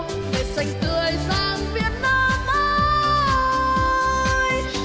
ngày xanh tươi sang việt nam ơi